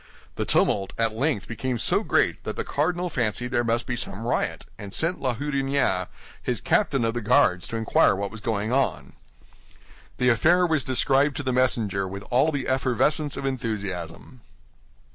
The tumult at length became so great that the cardinal fancied there must be some riot, and sent La Houdinière, his captain of the Guards, to inquire what was going on. The affair was described to the messenger with all the effervescence of enthusiasm.